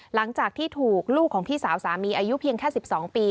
หลังจากที่ถูกลูกของพี่สาวสามีอายุเพียงแค่๑๒ปี